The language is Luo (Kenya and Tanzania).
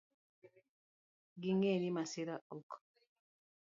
Ging'e ni masira ok